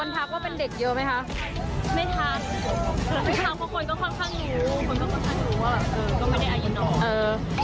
ไม่ทักทุกคนก็ค่อนข้างรู้คนก็ค่อนข้างรู้ว่าแบบก็ไม่ได้อายุนออก